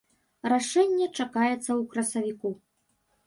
Рашэнне чакаецца ў красавіку.